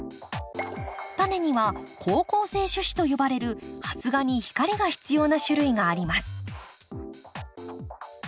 タネには好光性種子と呼ばれる発芽に光が必要な種類があります